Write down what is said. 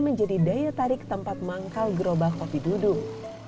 menjadi daya tarik tempat manggal gerobak kopi dudung